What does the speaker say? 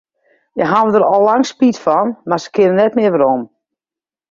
Hja hawwe dêr al lang spyt fan, mar se kinne net mear werom.